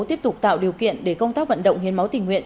tiếp tục tạo điều kiện để công tác vận động hiến máu tình nguyện